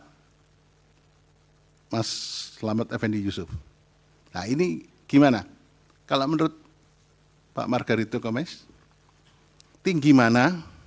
hai reel mas slavato futsal nah ini gimana kalau menurut pak margarito komeks hai tinggi mana